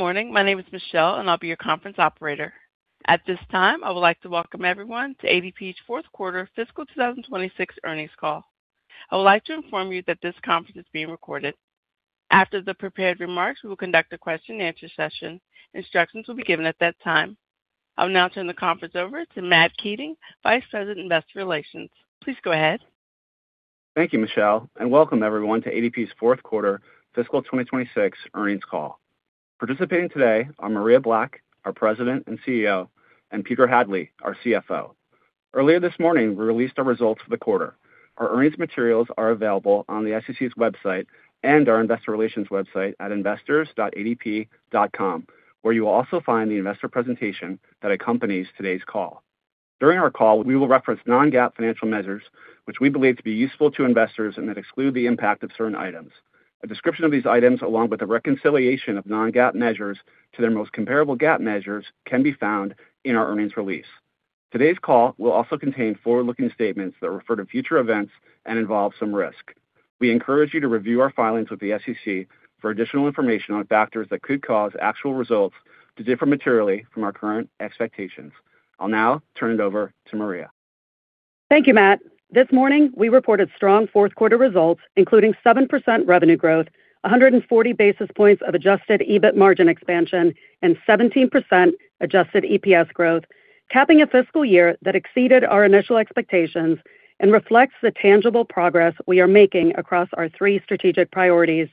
Good morning. My name is Michelle, and I'll be your conference operator. At this time, I would like to welcome everyone to ADP's fourth quarter fiscal 2026 earnings call. I would like to inform you that this conference is being recorded. After the prepared remarks, we will conduct a question and answer session. Instructions will be given at that time. I'll now turn the conference over to Matt Keating, Vice President, Investor Relations. Please go ahead. Thank you, Michelle, and welcome everyone to ADP's fourth quarter fiscal 2026 earnings call. Participating today are Maria Black, our President and CEO, and Peter Hadley, our CFO. Earlier this morning, we released our results for the quarter. Our earnings materials are available on the SEC's website and our investor relations website at investors.adp.com, where you will also find the investor presentation that accompanies today's call. During our call, we will reference non-GAAP financial measures which we believe to be useful to investors and that exclude the impact of certain items. A description of these items, along with a reconciliation of non-GAAP measures to their most comparable GAAP measures, can be found in our earnings release. Today's call will also contain forward-looking statements that refer to future events and involve some risk. We encourage you to review our filings with the SEC for additional information on factors that could cause actual results to differ materially from our current expectations. I'll now turn it over to Maria. Thank you, Matt. This morning, we reported strong fourth quarter results, including 7% revenue growth, 140 basis points of Adjusted EBIT margin expansion, and 17% Adjusted EPS growth, capping a fiscal year that exceeded our initial expectations and reflects the tangible progress we are making across our three strategic priorities.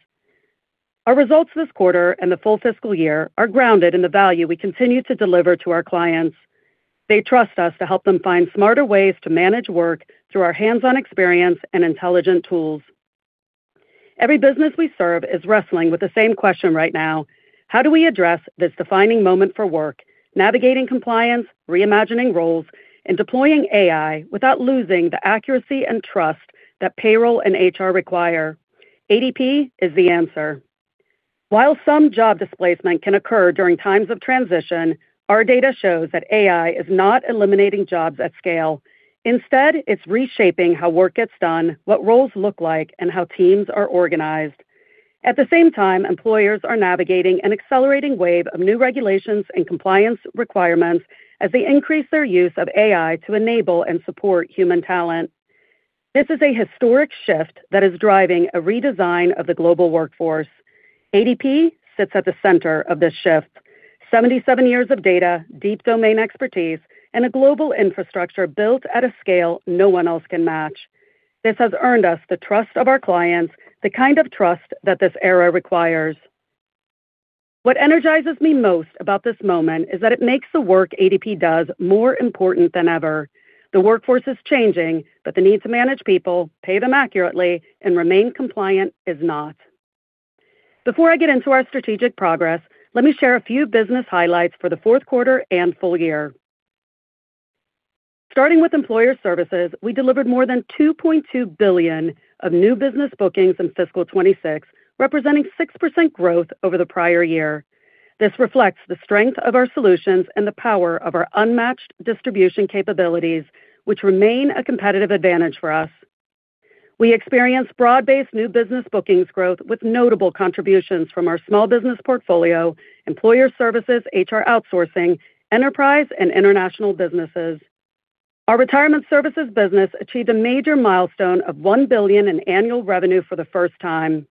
Our results this quarter and the full fiscal year are grounded in the value we continue to deliver to our clients. They trust us to help them find smarter ways to manage work through our hands-on experience and intelligent tools. Every business we serve is wrestling with the same question right now: how do we address this defining moment for work, navigating compliance, reimagining roles, and deploying AI without losing the accuracy and trust that payroll and HR require? ADP is the answer. While some job displacement can occur during times of transition, our data shows that AI is not eliminating jobs at scale. Instead, it's reshaping how work gets done, what roles look like, and how teams are organized. At the same time, employers are navigating an accelerating wave of new regulations and compliance requirements as they increase their use of AI to enable and support human talent. This is a historic shift that is driving a redesign of the global workforce. ADP sits at the center of this shift. 77 years of data, deep domain expertise, and a global infrastructure built at a scale no one else can match. This has earned us the trust of our clients, the kind of trust that this era requires. What energizes me most about this moment is that it makes the work ADP does more important than ever. The workforce is changing, the need to manage people, pay them accurately, and remain compliant is not. Before I get into our strategic progress, let me share a few business highlights for the fourth quarter and full year. Starting with Employer Services, we delivered more than $2.2 billion of new business bookings in fiscal 2026, representing 6% growth over the prior year. This reflects the strength of our solutions and the power of our unmatched distribution capabilities, which remain a competitive advantage for us. We experienced broad-based new business bookings growth with notable contributions from our small business portfolio, Employer Services, HR outsourcing, enterprise, and international businesses. Our ADP Retirement Services business achieved a major milestone of $1 billion in annual revenue for the first time.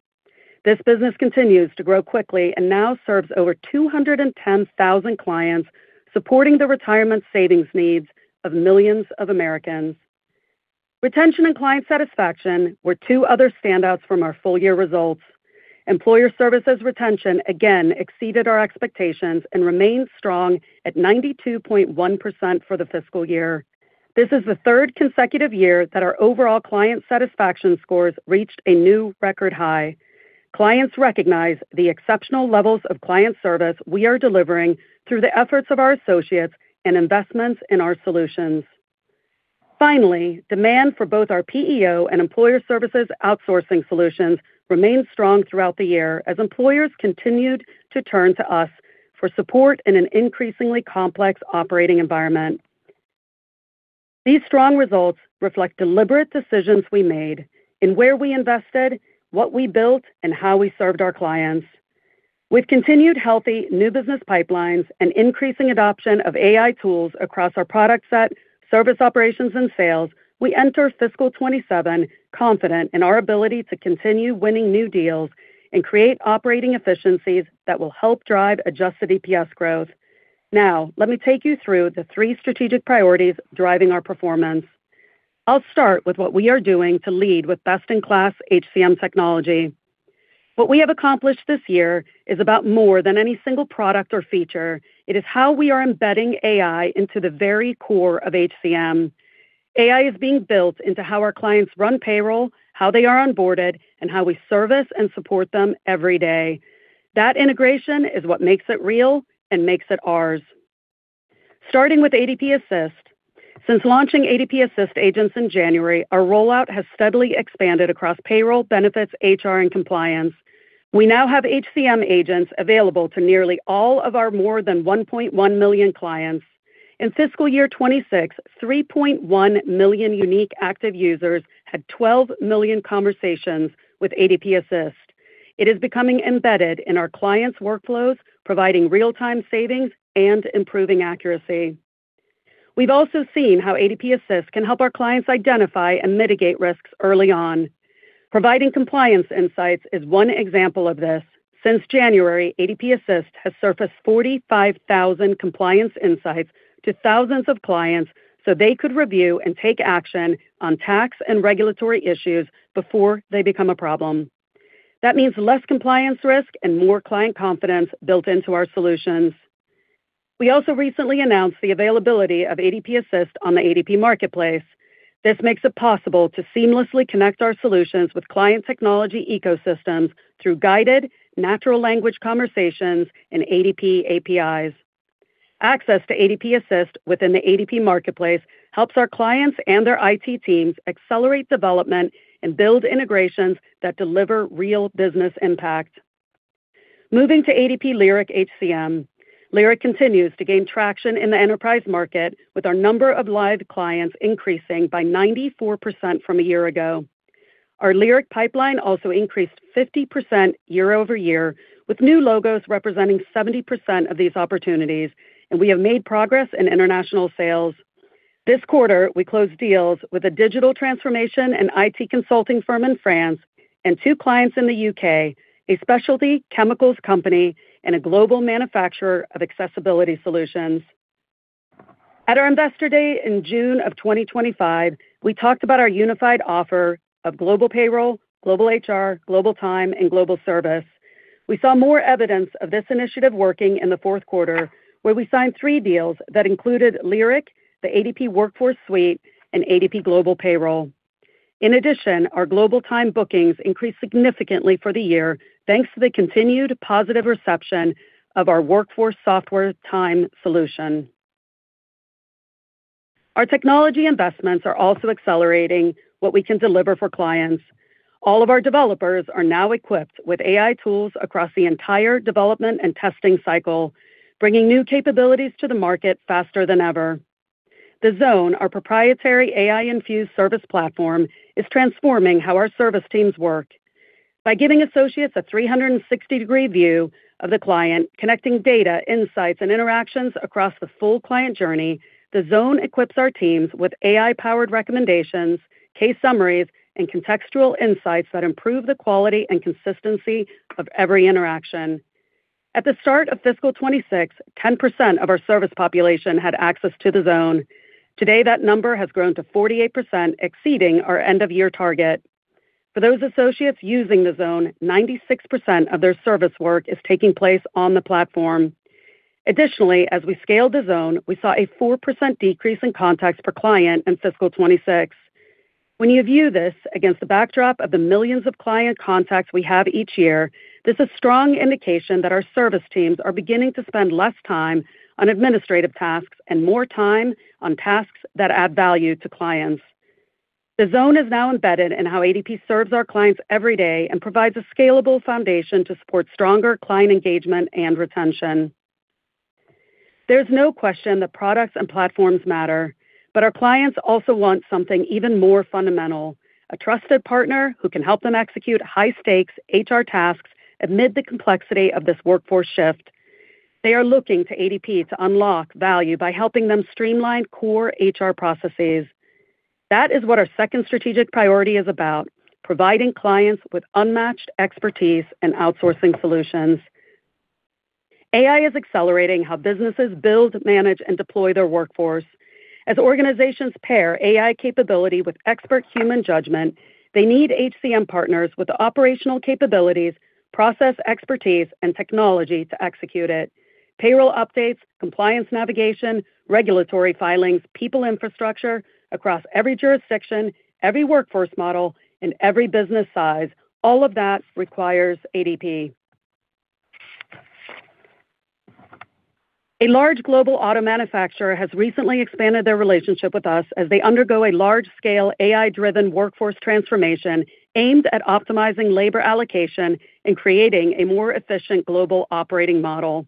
This business continues to grow quickly and now serves over 210,000 clients, supporting the retirement savings needs of millions of Americans. Retention and client satisfaction were two other standouts from our full-year results. Employer Services retention again exceeded our expectations and remains strong at 92.1% for the fiscal year. This is the third consecutive year that our overall client satisfaction scores reached a new record high. Clients recognize the exceptional levels of client service we are delivering through the efforts of our associates and investments in our solutions. Finally, demand for both our PEO and Employer Services outsourcing solutions remained strong throughout the year as employers continued to turn to us for support in an increasingly complex operating environment. These strong results reflect deliberate decisions we made in where we invested, what we built, and how we served our clients. With continued healthy new business pipelines and increasing adoption of AI tools across our product set, service operations, and sales, we enter fiscal 2027 confident in our ability to continue winning new deals and create operating efficiencies that will help drive Adjusted EPS growth. Let me take you through the three strategic priorities driving our performance. I'll start with what we are doing to lead with best-in-class HCM technology. What we have accomplished this year is about more than any single product or feature. It is how we are embedding AI into the very core of HCM. AI is being built into how our clients run payroll, how they are onboarded, and how we service and support them every day. That integration is what makes it real and makes it ours. Starting with ADP Assist, since launching ADP Assist agents in January, our rollout has steadily expanded across payroll, benefits, HR, and compliance. We now have HCM agents available to nearly all of our more than 1.1 million clients. In fiscal year 2026, 3.1 million unique active users had 12 million conversations with ADP Assist. It is becoming embedded in our clients' workflows, providing real-time savings and improving accuracy. We've also seen how ADP Assist can help our clients identify and mitigate risks early on. Providing compliance insights is one example of this. Since January, ADP Assist has surfaced 45,000 compliance insights to thousands of clients so they could review and take action on tax and regulatory issues before they become a problem. That means less compliance risk and more client confidence built into our solutions. We also recently announced the availability of ADP Assist on the ADP Marketplace. This makes it possible to seamlessly connect our solutions with client technology ecosystems through guided natural language conversations and ADP APIs. Access to ADP Assist within the ADP Marketplace helps our clients and their IT teams accelerate development and build integrations that deliver real business impact. Moving to ADP Lyric HCM. Lyric continues to gain traction in the enterprise market with our number of live clients increasing by 94% from a year ago. Our Lyric pipeline also increased 50% year-over-year, with new logos representing 70% of these opportunities, and we have made progress in international sales. This quarter, we closed deals with a digital transformation and IT consulting firm in France and two clients in the U.K., a specialty chemicals company, and a global manufacturer of accessibility solutions. At our Investor Day in June of 2025, we talked about our unified offer of global payroll, global HR, global time, and global service. We saw more evidence of this initiative working in the fourth quarter, where we signed three deals that included Lyric, the ADP Workforce Suite, and ADP Global Payroll. In addition, our global time bookings increased significantly for the year, thanks to the continued positive reception of our workforce software time solution. Our technology investments are also accelerating what we can deliver for clients. All of our developers are now equipped with AI tools across the entire development and testing cycle, bringing new capabilities to the market faster than ever. The Zone, our proprietary AI-infused service platform, is transforming how our service teams work. By giving associates a 360-degree view of the client, connecting data, insights, and interactions across the full client journey, The Zone equips our teams with AI-powered recommendations, case summaries, and contextual insights that improve the quality and consistency of every interaction. At the start of fiscal 2026, 10% of our service population had access to The Zone. Today, that number has grown to 48%, exceeding our end-of-year target. For those associates using The Zone, 96% of their service work is taking place on the platform. Additionally, as we scaled The Zone, we saw a 4% decrease in contacts per client in fiscal 2026. When you view this against the backdrop of the millions of client contacts we have each year, this is strong indication that our service teams are beginning to spend less time on administrative tasks and more time on tasks that add value to clients. The Zone is now embedded in how ADP serves our clients every day and provides a scalable foundation to support stronger client engagement and retention. There's no question that products and platforms matter, but our clients also want something even more fundamental, a trusted partner who can help them execute high-stakes HR tasks amid the complexity of this workforce shift. They are looking to ADP to unlock value by helping them streamline core HR processes. That is what our second strategic priority is about, providing clients with unmatched expertise and outsourcing solutions. AI is accelerating how businesses build, manage, and deploy their workforce. As organizations pair AI capability with expert human judgment, they need HCM partners with the operational capabilities, process expertise, and technology to execute it. Payroll updates, compliance navigation, regulatory filings, people infrastructure across every jurisdiction, every workforce model, and every business size. All of that requires ADP. A large global auto manufacturer has recently expanded their relationship with us as they undergo a large-scale, AI-driven workforce transformation aimed at optimizing labor allocation and creating a more efficient global operating model.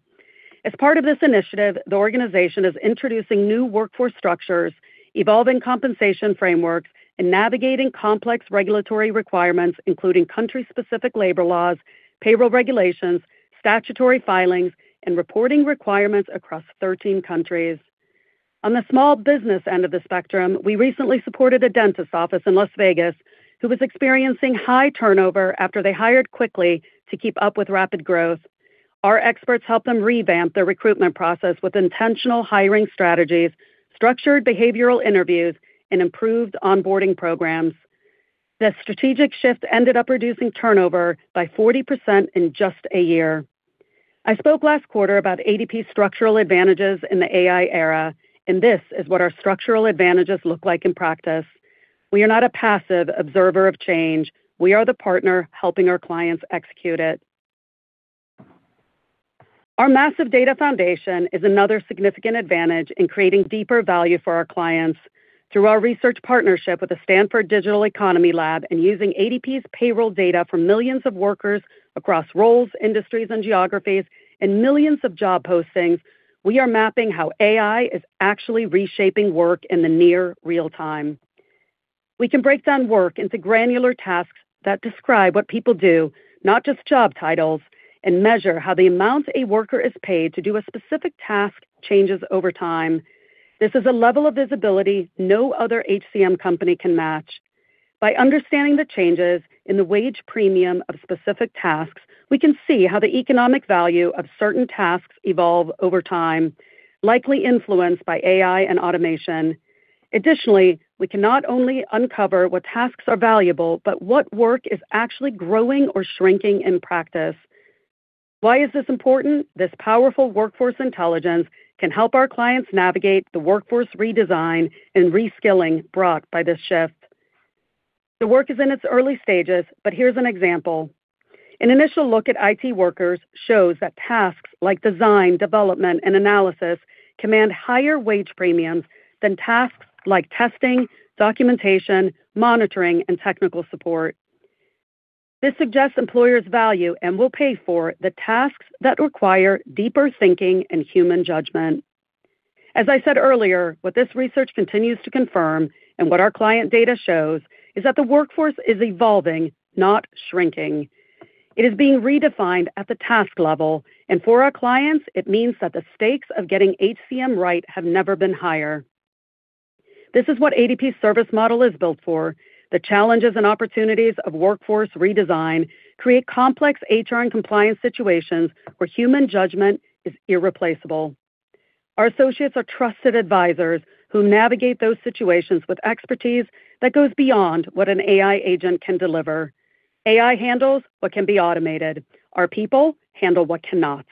As part of this initiative, the organization is introducing new workforce structures, evolving compensation frameworks, and navigating complex regulatory requirements, including country-specific labor laws, payroll regulations, statutory filings, and reporting requirements across 13 countries. On the small business end of the spectrum, we recently supported a dentist office in Las Vegas who was experiencing high turnover after they hired quickly to keep up with rapid growth. Our experts helped them revamp their recruitment process with intentional hiring strategies, structured behavioral interviews, and improved onboarding programs. That strategic shift ended up reducing turnover by 40% in just a year. I spoke last quarter about ADP's structural advantages in the AI era, and this is what our structural advantages look like in practice. We are not a passive observer of change. We are the partner helping our clients execute it. Our massive data foundation is another significant advantage in creating deeper value for our clients. Through our research partnership with the Stanford Digital Economy Lab and using ADP's payroll data for millions of workers across roles, industries, and geographies, and millions of job postings, we are mapping how AI is actually reshaping work in the near real-time. We can break down work into granular tasks that describe what people do, not just job titles, and measure how the amount a worker is paid to do a specific task changes over time. This is a level of visibility no other HCM company can match. By understanding the changes in the wage premium of specific tasks, we can see how the economic value of certain tasks evolve over time, likely influenced by AI and automation. Additionally, we can not only uncover what tasks are valuable, but what work is actually growing or shrinking in practice. Why is this important? This powerful workforce intelligence can help our clients navigate the workforce redesign and reskilling brought by this shift. The work is in its early stages, but here's an example. An initial look at IT workers shows that tasks like design, development, and analysis command higher wage premiums than tasks like testing, documentation, monitoring, and technical support. This suggests employers value and will pay for the tasks that require deeper thinking and human judgment. As I said earlier, what this research continues to confirm, and what our client data shows, is that the workforce is evolving, not shrinking. It is being redefined at the task level, and for our clients, it means that the stakes of getting HCM right have never been higher. This is what ADP's service model is built for. The challenges and opportunities of workforce redesign create complex HR and compliance situations where human judgment is irreplaceable. Our associates are trusted advisors who navigate those situations with expertise that goes beyond what an AI agent can deliver. AI handles what can be automated. Our people handle what cannot.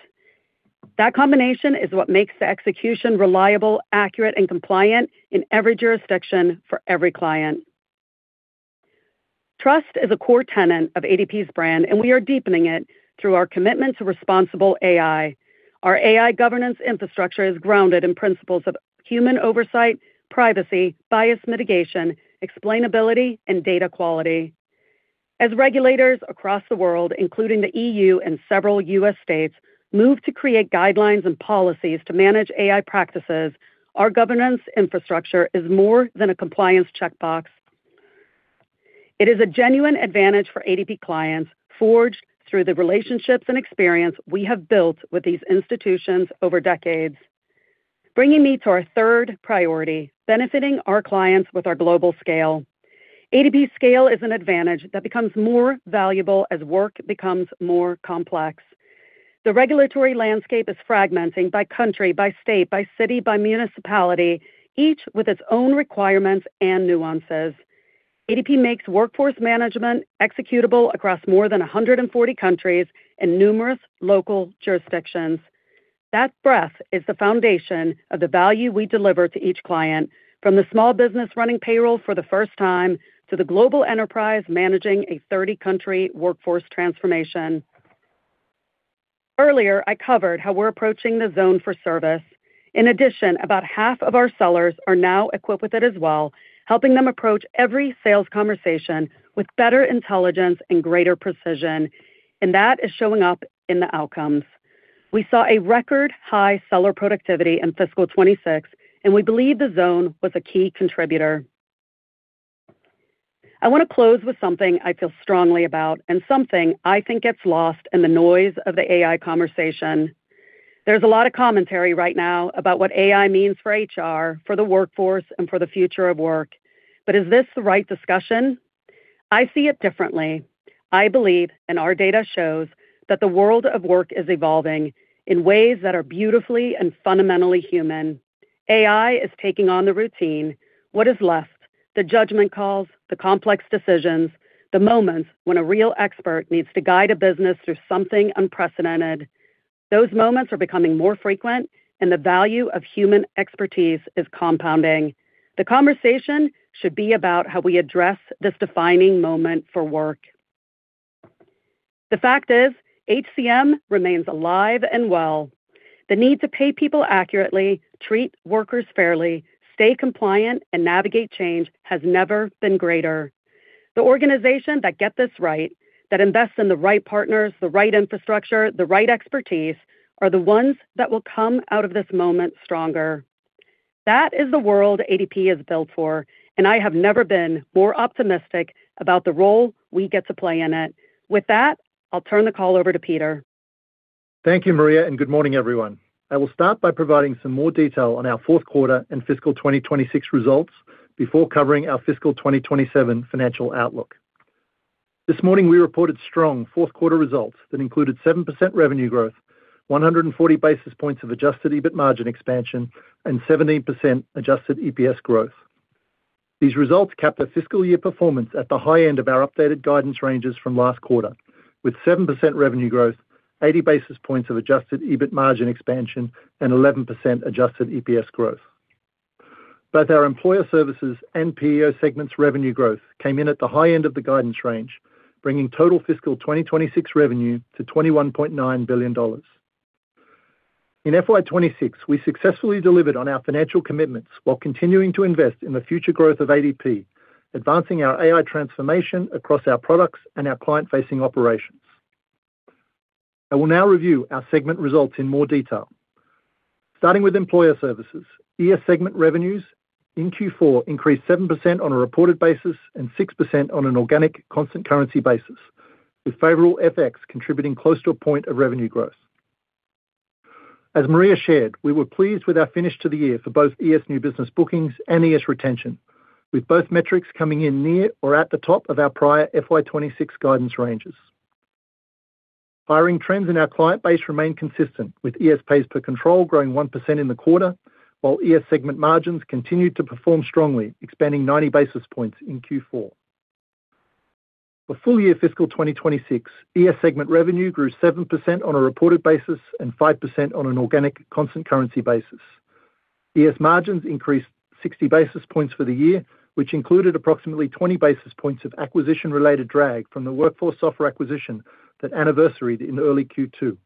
That combination is what makes the execution reliable, accurate, and compliant in every jurisdiction for every client. Trust is a core tenet of ADP's brand, and we are deepening it through our commitment to responsible AI. Our AI governance infrastructure is grounded in principles of human oversight, privacy, bias mitigation, explainability, and data quality. As regulators across the world, including the EU and several U.S. states, move to create guidelines and policies to manage AI practices, our governance infrastructure is more than a compliance checkbox. It is a genuine advantage for ADP clients, forged through the relationships and experience we have built with these institutions over decades. Bringing me to our third priority, benefiting our clients with our global scale. ADP's scale is an advantage that becomes more valuable as work becomes more complex. The regulatory landscape is fragmenting by country, by state, by city, by municipality, each with its own requirements and nuances. ADP makes workforce management executable across more than 140 countries and numerous local jurisdictions. That breadth is the foundation of the value we deliver to each client, from the small business running payroll for the first time, to the global enterprise managing a 30-country workforce transformation. Earlier, I covered how we're approaching The Zone for service. In addition, about half of our sellers are now equipped with it as well, helping them approach every sales conversation with better intelligence and greater precision. That is showing up in the outcomes. We saw a record high seller productivity in fiscal 2026, and we believe The Zone was a key contributor. I want to close with something I feel strongly about and something I think gets lost in the noise of the AI conversation. There's a lot of commentary right now about what AI means for HR, for the workforce, and for the future of work. Is this the right discussion? I see it differently. I believe, our data shows, that the world of work is evolving in ways that are beautifully and fundamentally human. AI is taking on the routine. What is left? The judgment calls, the complex decisions, the moments when a real expert needs to guide a business through something unprecedented. Those moments are becoming more frequent, and the value of human expertise is compounding. The conversation should be about how we address this defining moment for work. The fact is, HCM remains alive and well. The need to pay people accurately, treat workers fairly, stay compliant, and navigate change has never been greater. The organizations that get this right, that invest in the right partners, the right infrastructure, the right expertise, are the ones that will come out of this moment stronger. That is the world ADP is built for, and I have never been more optimistic about the role we get to play in it. With that, I'll turn the call over to Peter. Thank you, Maria. Good morning, everyone. I will start by providing some more detail on our fourth quarter and fiscal 2026 results before covering our fiscal 2027 financial outlook. This morning, we reported strong fourth quarter results that included 7% revenue growth, 140 basis points of Adjusted EBIT margin expansion, and 17% Adjusted EPS growth. These results cap a fiscal year performance at the high end of our updated guidance ranges from last quarter, with 7% revenue growth, 80 basis points of Adjusted EBIT margin expansion, and 11% Adjusted EPS growth. Both our Employer Services and PEO segments revenue growth came in at the high end of the guidance range, bringing total fiscal 2026 revenue to $21.9 billion. In FY 2026, we successfully delivered on our financial commitments while continuing to invest in the future growth of ADP, advancing our AI transformation across our products and our client-facing operations. I will now review our segment results in more detail. Starting with Employer Services, ES segment revenues in Q4 increased 7% on a reported basis and 6% on an organic constant currency basis, with favorable FX contributing close to a point of revenue growth. As Maria shared, we were pleased with our finish to the year for both ES new business bookings and ES retention, with both metrics coming in near or at the top of our prior FY 2026 guidance ranges. Hiring trends in our client base remain consistent, with ES pays per control growing 1% in the quarter, while ES segment margins continued to perform strongly, expanding 90 basis points in Q4. For full year fiscal 2026, ES segment revenue grew 7% on a reported basis and 5% on an organic constant currency basis. ES margins increased 60 basis points for the year, which included approximately 20 basis points of acquisition-related drag from the WorkForce Software acquisition that anniversaried in early Q2.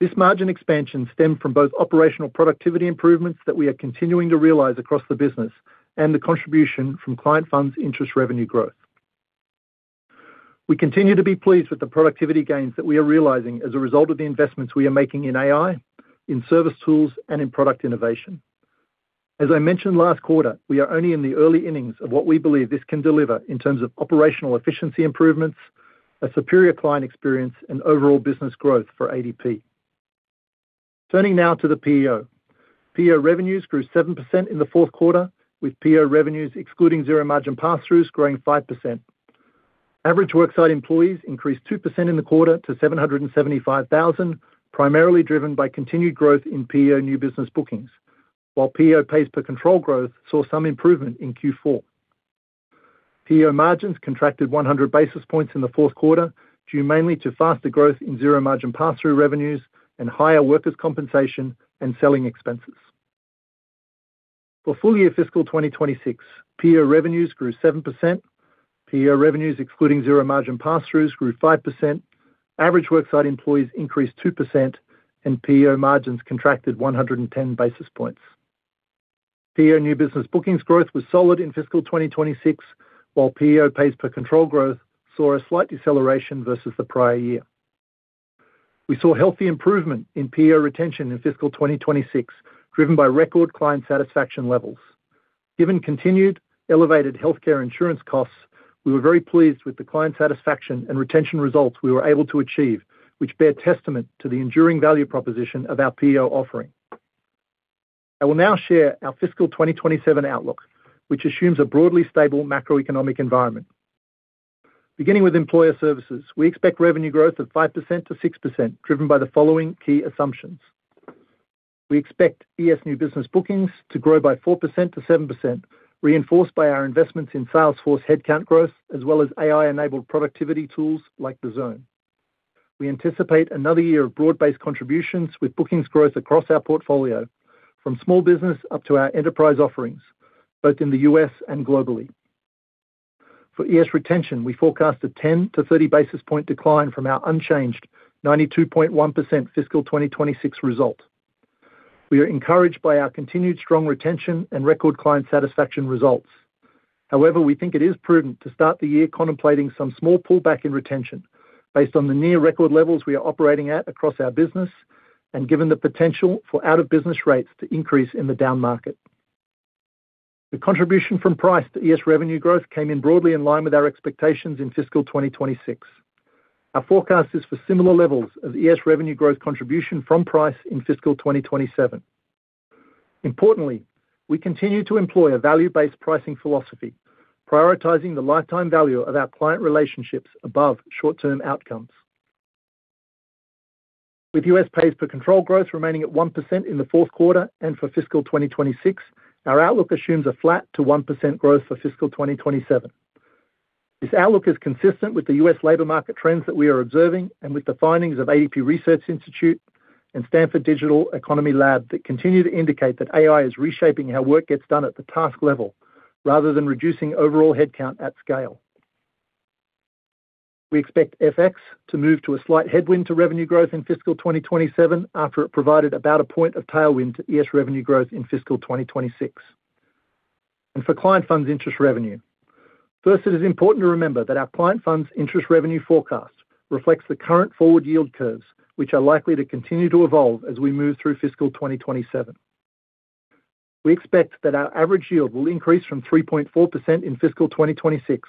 This margin expansion stemmed from both operational productivity improvements that we are continuing to realize across the business and the contribution from client funds interest revenue growth. We continue to be pleased with the productivity gains that we are realizing as a result of the investments we are making in AI, in service tools, and in product innovation. As I mentioned last quarter, we are only in the early innings of what we believe this can deliver in terms of operational efficiency improvements, a superior client experience, and overall business growth for ADP. Turning now to the PEO. PEO revenues grew 7% in the fourth quarter, with PEO revenues excluding zero-margin pass-throughs growing 5%. Average worksite employees increased 2% in the quarter to 775,000, primarily driven by continued growth in PEO new business bookings, while PEO pays per control growth saw some improvement in Q4. PEO margins contracted 100 basis points in the fourth quarter, due mainly to faster growth in zero-margin pass-through revenues and higher workers' compensation and selling expenses. For full year fiscal 2026, PEO revenues grew 7%, PEO revenues excluding zero-margin pass-throughs grew 5%, average worksite employees increased 2%, and PEO margins contracted 110 basis points. PEO new business bookings growth was solid in fiscal 2026, while PEO pays per control growth saw a slight deceleration versus the prior year. We saw healthy improvement in PEO retention in fiscal 2026, driven by record client satisfaction levels. Given continued elevated healthcare insurance costs, we were very pleased with the client satisfaction and retention results we were able to achieve, which bear testament to the enduring value proposition of our PEO offering. I will now share our fiscal 2027 outlook, which assumes a broadly stable macroeconomic environment. Beginning with Employer Services, we expect revenue growth of 5%-6%, driven by the following key assumptions. We expect ES new business bookings to grow by 4%-7%, reinforced by our investments in Salesforce headcount growth as well as AI-enabled productivity tools like The Zone. We anticipate another year of broad-based contributions with bookings growth across our portfolio from small business up to our enterprise offerings, both in the U.S. and globally. For ES retention, we forecast a 10-30 basis point decline from our unchanged 92.1% fiscal 2026 result. We are encouraged by our continued strong retention and record client satisfaction results. However, we think it is prudent to start the year contemplating some small pullback in retention based on the near record levels we are operating at across our business and given the potential for out-of-business rates to increase in the down market. The contribution from price to ES revenue growth came in broadly in line with our expectations in fiscal 2026. Our forecast is for similar levels of ES revenue growth contribution from price in fiscal 2027. Importantly, we continue to employ a value-based pricing philosophy, prioritizing the lifetime value of our client relationships above short-term outcomes. With U.S. pays per control growth remaining at 1% in the fourth quarter and for fiscal 2026, our outlook assumes a flat to 1% growth for fiscal 2027. This outlook is consistent with the U.S. labor market trends that we are observing and with the findings of ADP Research Institute and Stanford Digital Economy Lab that continue to indicate that AI is reshaping how work gets done at the task level rather than reducing overall headcount at scale. We expect FX to move to a slight headwind to revenue growth in fiscal 2027 after it provided about a point of tailwind to ES revenue growth in fiscal 2026. For client funds interest revenue. First, it is important to remember that our client funds interest revenue forecast reflects the current forward yield curves, which are likely to continue to evolve as we move through fiscal 2027. We expect that our average yield will increase from 3.4% in fiscal 2026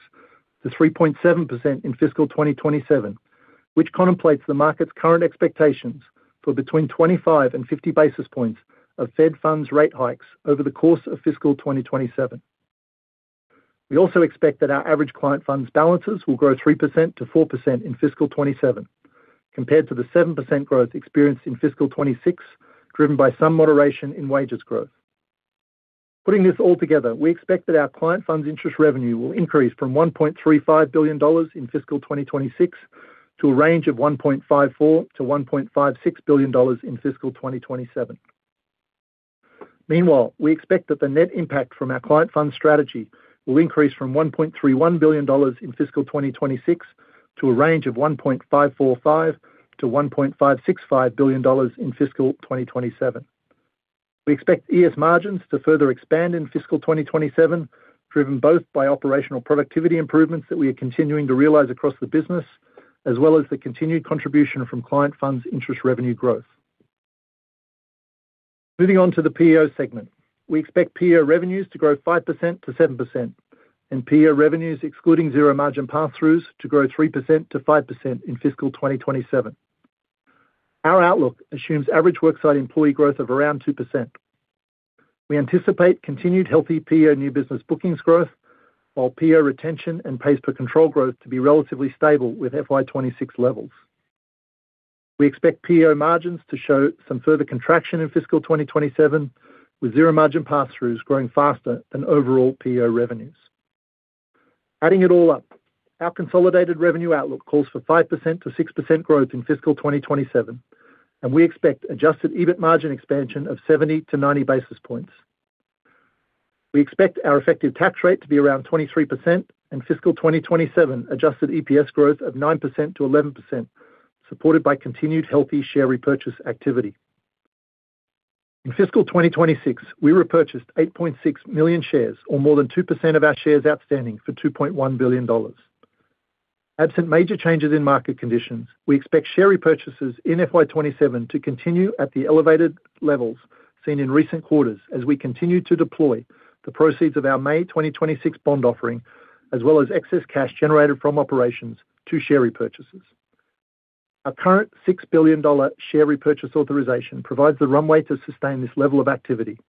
to 3.7% in fiscal 2027, which contemplates the market's current expectations for between 25 and 50 basis points of Fed funds rate hikes over the course of fiscal 2027. We also expect that our average client funds balances will grow 3%-4% in fiscal 2027, compared to the 7% growth experienced in fiscal 2026, driven by some moderation in wages growth. Putting this all together, we expect that our client funds interest revenue will increase from $1.35 billion in fiscal 2026 to a range of $1.54-1.56 billion in fiscal 2027. Meanwhile, we expect that the net impact from our client funds strategy will increase from $1.31 billion in fiscal 2026 to a range of $1.545-1.565 billion in fiscal 2027. We expect ES margins to further expand in fiscal 2027, driven both by operational productivity improvements that we are continuing to realize across the business, as well as the continued contribution from client funds interest revenue growth. Moving on to the PEO segment. We expect PEO revenues to grow 5%-7% and PEO revenues excluding zero-margin pass-throughs to grow 3%-5% in fiscal 2027. Our outlook assumes average worksite employee growth of around 2%. We anticipate continued healthy PEO new business bookings growth, while PEO retention and pays per control growth to be relatively stable with FY 2026 levels. We expect PEO margins to show some further contraction in fiscal 2027, with zero-margin pass-throughs growing faster than overall PEO revenues. Adding it all up, our consolidated revenue outlook calls for 5%-6% growth in fiscal 2027. We expect Adjusted EBIT margin expansion of 70 to 90 basis points. We expect our effective tax rate to be around 23% in fiscal 2027, Adjusted EPS growth of 9%-11%, supported by continued healthy share repurchase activity. In fiscal 2026, we repurchased 8.6 million shares, or more than 2% of our shares outstanding, for $2.1 billion. Absent major changes in market conditions, we expect share repurchases in FY 2027 to continue at the elevated levels seen in recent quarters as we continue to deploy the proceeds of our May 2026 bond offering, as well as excess cash generated from operations to share repurchases. Our current $6 billion share repurchase authorization provides the runway to sustain this level of activity.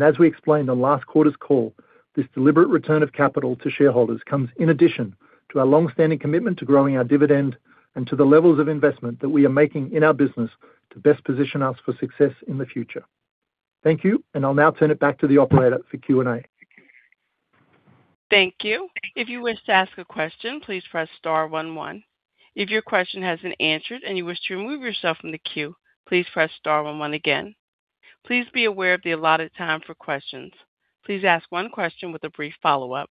As we explained on last quarter's call, this deliberate return of capital to shareholders comes in addition to our longstanding commitment to growing our dividend and to the levels of investment that we are making in our business to best position us for success in the future. Thank you, and I'll now turn it back to the operator for Q&A. Thank you. If you wish to ask a question, please press star one one. If your question has been answered and you wish to remove yourself from the queue, please press star one one again. Please be aware of the allotted time for questions. Please ask one question with a brief follow-up.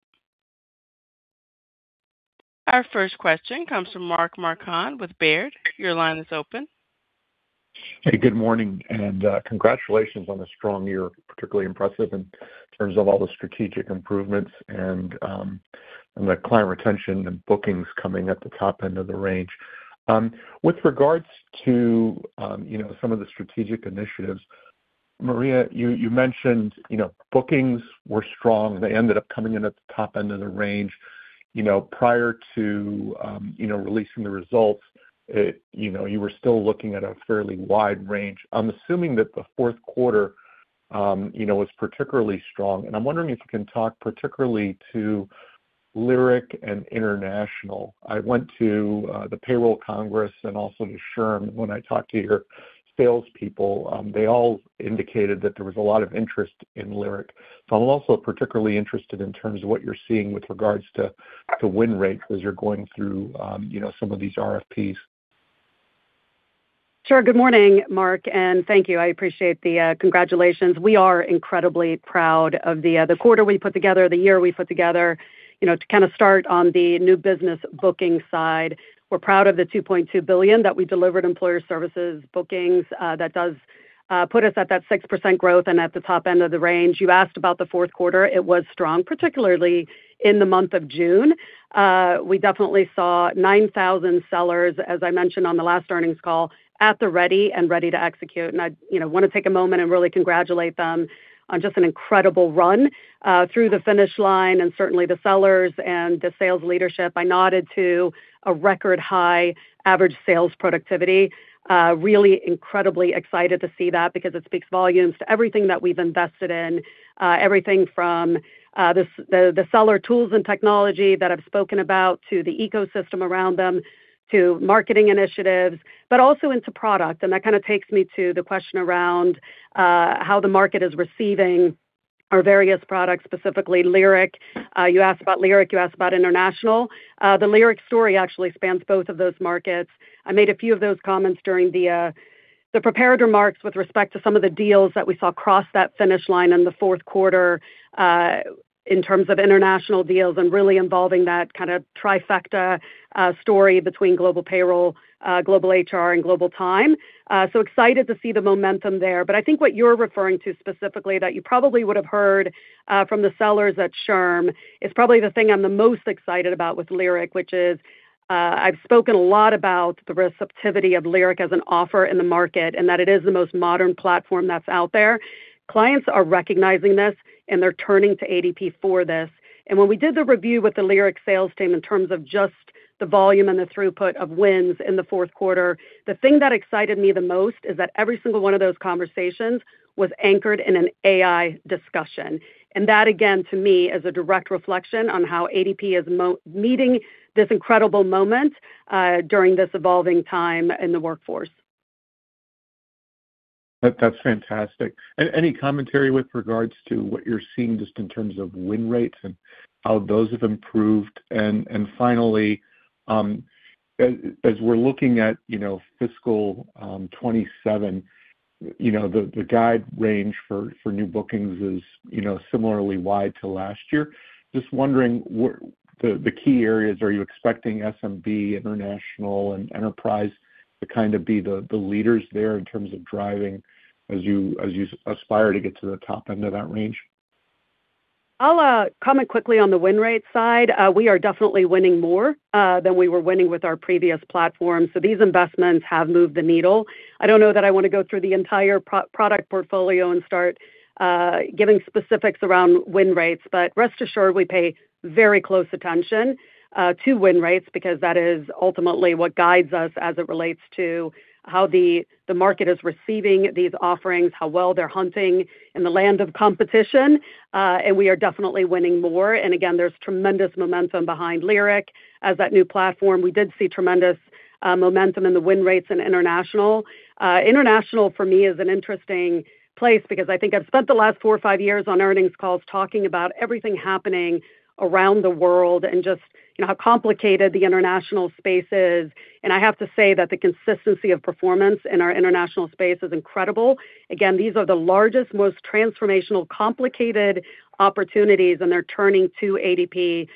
Our first question comes from Mark Marcon with Baird. Your line is open. Good morning, and congratulations on a strong year. Particularly impressive in terms of all the strategic improvements and the client retention and bookings coming at the top end of the range. With regards to some of the strategic initiatives, Maria, you mentioned bookings were strong. They ended up coming in at the top end of the range. Prior to releasing the results, you were still looking at a fairly wide range. I'm assuming that the fourth quarter was particularly strong, and I'm wondering if you can talk particularly to Lyric and International. I went to the Payroll Congress and also to SHRM. When I talked to your salespeople, they all indicated that there was a lot of interest in Lyric. I'm also particularly interested in terms of what you're seeing with regards to win rates as you're going through some of these RFPs. Sure. Good morning, Mark, and thank you. I appreciate the congratulations. We are incredibly proud of the quarter we put together, the year we put together. To start on the new business booking side, we're proud of the $2.2 billion that we delivered Employer Services bookings. That does put us at that 6% growth and at the top end of the range. You asked about the fourth quarter, it was strong, particularly in the month of June. We definitely saw 9,000 sellers, as I mentioned on the last earnings call, at the ready and ready to execute. I want to take a moment and really congratulate them on just an incredible run through the finish line and certainly the sellers and the sales leadership. I nodded to a record high average sales productivity. Really incredibly excited to see that because it speaks volumes to everything that we've invested in, everything from the seller tools and technology that I've spoken about, to the ecosystem around them, to marketing initiatives, but also into product. That takes me to the question around how the market is receiving our various products, specifically Lyric. You asked about Lyric, you asked about International. The Lyric story actually spans both of those markets. I made a few of those comments during the prepared remarks with respect to some of the deals that we saw cross that finish line in the fourth quarter in terms of international deals and really involving that trifecta story between Global Payroll, Global HR, and Global Time. Excited to see the momentum there. I think what you're referring to specifically that you probably would have heard from the sellers at SHRM is probably the thing I'm the most excited about with Lyric, which is, I've spoken a lot about the receptivity of Lyric as an offer in the market, and that it is the most modern platform that's out there. Clients are recognizing this, and they're turning to ADP for this. When we did the review with the Lyric sales team in terms of just the volume and the throughput of wins in the fourth quarter, the thing that excited me the most is that every single one of those conversations was anchored in an AI discussion. That, again, to me, is a direct reflection on how ADP is meeting this incredible moment during this evolving time in the workforce. That's fantastic. Any commentary with regards to what you're seeing just in terms of win rates and how those have improved? Finally, as we're looking at fiscal 2027, the guide range for new bookings is similarly wide to last year. Just wondering the key areas, are you expecting SMB, International, and Enterprise to be the leaders there in terms of driving as you aspire to get to the top end of that range? I'll comment quickly on the win rate side. We are definitely winning more than we were winning with our previous platform. These investments have moved the needle. I don't know that I want to go through the entire product portfolio and start giving specifics around win rates. Rest assured, we pay very close attention to win rates because that is ultimately what guides us as it relates to how the market is receiving these offerings, how well they're hunting in the land of competition. We are definitely winning more. Again, there's tremendous momentum behind Lyric as that new platform. We did see tremendous momentum in the win rates in International. International, for me, is an interesting place because I think I've spent the last four or five years on earnings calls talking about everything happening around the world and just how complicated the International space is. I have to say that the consistency of performance in our International space is incredible. Again, these are the largest, most transformational, complicated opportunities, and they're turning to ADP.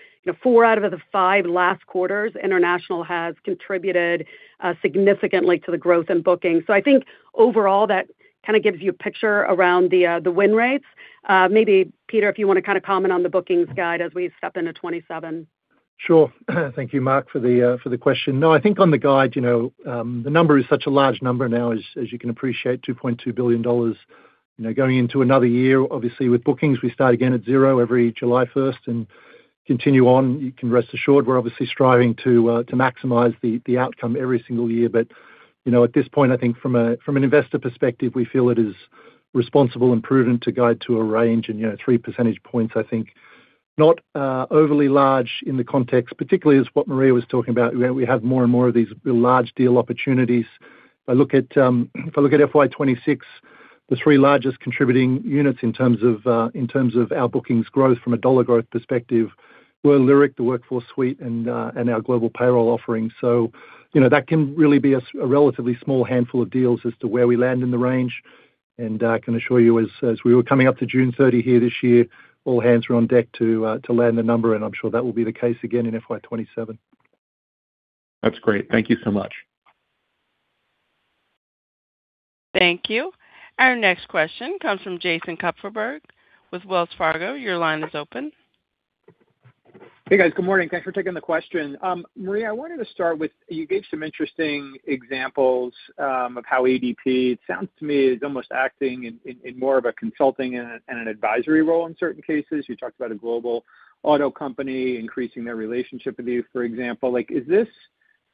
Four out of the five last quarters, International has contributed significantly to the growth in bookings. I think overall, that gives you a picture around the win rates. Maybe, Peter, if you want to comment on the bookings guide as we step into 2027. Thank you, Mark, for the question. I think on the guide, the number is such a large number now, as you can appreciate, $2.2 billion. Going into another year, obviously, with bookings, we start again at zero every July 1st and continue on. You can rest assured we're obviously striving to maximize the outcome every single year. At this point, I think from an investor perspective, we feel it is responsible and prudent to guide to a range and three percentage points, I think, not overly large in the context, particularly as what Maria was talking about, where we have more and more of these large deal opportunities. If I look at FY 2026, the three largest contributing units in terms of our bookings growth from a dollar growth perspective, were Lyric, the WorkForce Suite, and our Global Payroll offerings. That can really be a relatively small handful of deals as to where we land in the range. I can assure you, as we were coming up to June 30 here this year, all hands were on deck to land the number, and I'm sure that will be the case again in FY 2027. That's great. Thank you so much. Thank you. Our next question comes from Jason Kupferberg with Wells Fargo. Your line is open. Hey, guys. Good morning. Thanks for taking the question. Maria, I wanted to start with, you gave some interesting examples of how ADP, it sounds to me, is almost acting in more of a consulting and an advisory role in certain cases. You talked about a global auto company increasing their relationship with you, for example. Is this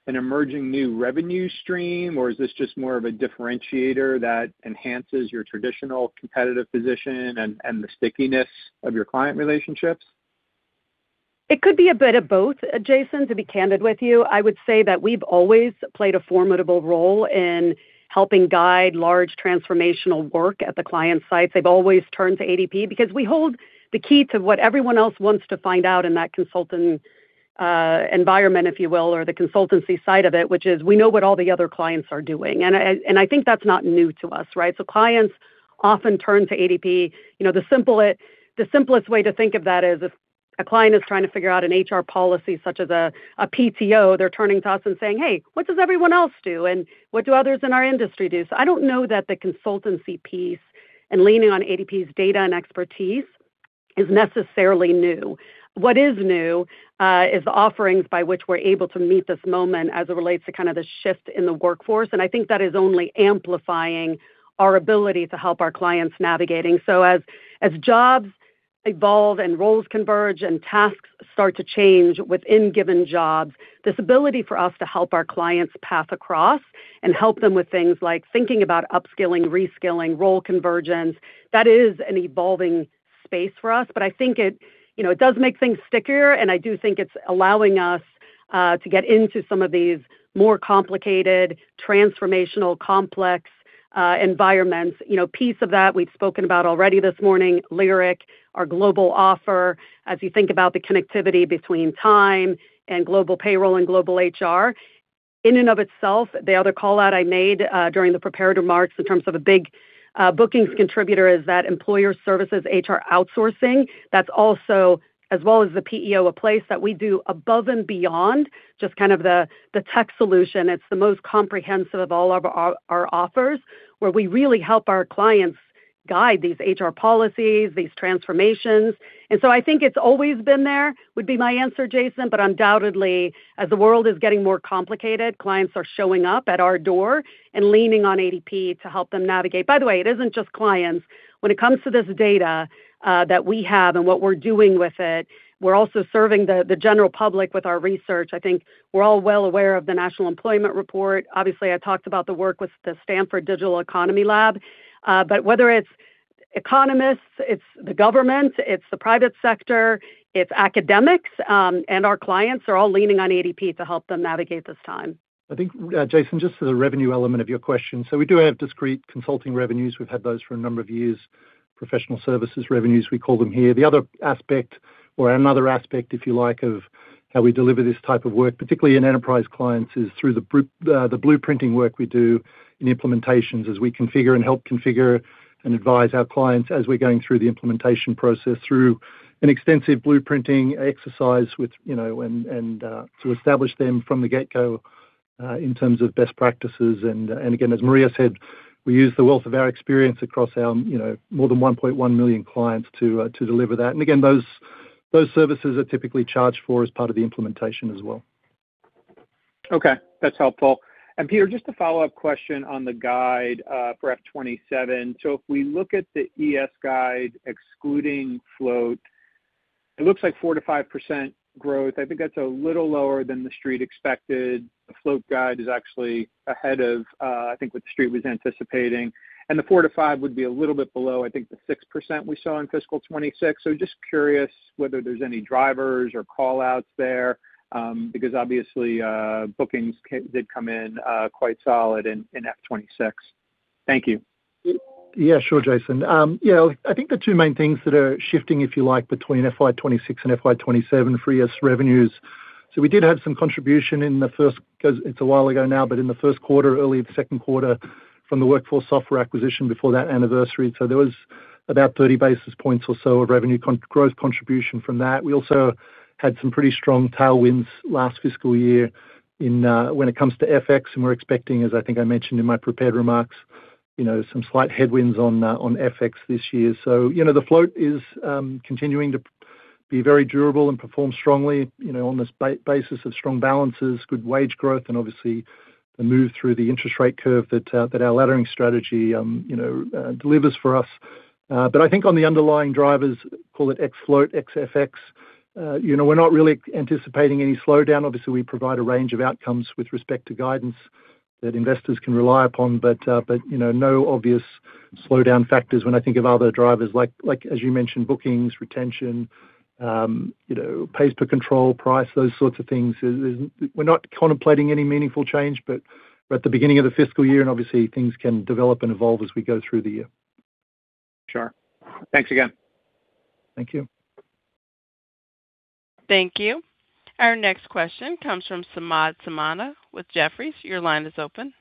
an emerging new revenue stream, or is this just more of a differentiator that enhances your traditional competitive position and the stickiness of your client relationships? It could be a bit of both, Jason, to be candid with you. I would say that we've always played a formidable role in helping guide large transformational work at the client sites. They've always turned to ADP because we hold the key to what everyone else wants to find out in that consultant environment, if you will, or the consultancy side of it, which is we know what all the other clients are doing. I think that's not new to us, right? Clients often turn to ADP. The simplest way to think of that is if a client is trying to figure out an HR policy, such as a PTO, they're turning to us and saying, "Hey, what does everyone else do? What do others in our industry do?" I don't know that the consultancy piece and leaning on ADP's data and expertise is necessarily new. What is new is the offerings by which we're able to meet this moment as it relates to the shift in the workforce. I think that is only amplifying our ability to help our clients navigating. As jobs evolve and roles converge and tasks start to change within given jobs, this ability for us to help our clients path across and help them with things like thinking about upskilling, reskilling, role convergence, that is an evolving space for us. I think it does make things stickier, and I do think it's allowing us to get into some of these more complicated, transformational, complex environments. Piece of that we've spoken about already this morning, ADP Lyric, our global offer, as you think about the connectivity between time and ADP Global Payroll and global HR. In and of itself, the other call-out I made during the prepared remarks in terms of a big bookings contributor is that Employer Services, HR outsourcing, that's also, as well as the PEO, a place that we do above and beyond just the tech solution. It's the most comprehensive of all of our offers, where we really help our clients guide these HR policies, these transformations. I think it's always been there, would be my answer, Jason. Undoubtedly, as the world is getting more complicated, clients are showing up at our door and leaning on ADP to help them navigate. By the way, it isn't just clients. When it comes to this data that we have and what we're doing with it, we're also serving the general public with our research. I think we're all well aware of the National Employment Report. Obviously, I talked about the work with the Stanford Digital Economy Lab. Whether it's economists, it's the government, it's the private sector, it's academics, and our clients are all leaning on ADP to help them navigate this time. I think, Jason, just to the revenue element of your question. We do have discrete consulting revenues. We've had those for a number of years, professional services revenues, we call them here. The other aspect, or another aspect, if you like, of how we deliver this type of work, particularly in enterprise clients, is through the blueprinting work we do in implementations as we configure and help configure and advise our clients as we're going through the implementation process through an extensive blueprinting exercise to establish them from the get-go in terms of best practices, and again, as Maria said, we use the wealth of our experience across our more than 1.1 million clients to deliver that. Again, those services are typically charged for as part of the implementation as well. Okay. That's helpful. Peter, just a follow-up question on the guide for FY 2027. If we look at the ES guide excluding float, it looks like 4%-5% growth. I think that's a little lower than the Street expected. The float guide is actually ahead of, I think, what the Street was anticipating, and the four to five would be a little bit below, I think, the 6% we saw in fiscal 2026. Just curious whether there's any drivers or call-outs there, because obviously bookings did come in quite solid in FY 2026. Thank you. Yeah. Sure, Jason. I think the two main things that are shifting, if you like, between FY 2026 and FY 2027 for ES revenues. We did have some contribution in the first, because it's a while ago now, but in the first quarter, early the second quarter from the workforce software acquisition before that anniversary. There was about 30 basis points or so of revenue growth contribution from that. We also had some pretty strong tailwinds last fiscal year when it comes to FX, we're expecting, as I think I mentioned in my prepared remarks, some slight headwinds on FX this year. The float is continuing to be very durable and perform strongly on this basis of strong balances, good wage growth, and obviously the move through the interest rate curve that our laddering strategy delivers for us. I think on the underlying drivers, call it X float, XFX, we're not really anticipating any slowdown. Obviously, we provide a range of outcomes with respect to guidance that investors can rely upon. No obvious slowdown factors when I think of other drivers like, as you mentioned, bookings, retention, pays per control, price, those sorts of things. We're not contemplating any meaningful change. We're at the beginning of the fiscal year, and obviously things can develop and evolve as we go through the year. Sure. Thanks again. Thank you. Thank you. Our next question comes from Samad Samana with Jefferies. Your line is open.